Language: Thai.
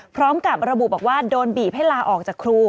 พร้อมกับระบุบอกว่าโดนบีบให้ลาออกจากครู